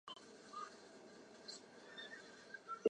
中原氏鬼督邮为菊科鬼督邮属下的一个种。